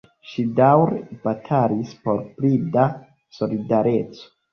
Ŝi daŭre batalis por pli da solidareco.